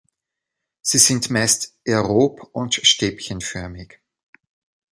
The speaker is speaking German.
Sie sind meist aerob und stäbchenförmig.